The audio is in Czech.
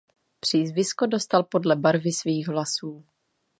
Přízvisko dostal podle barvy svých vlasů.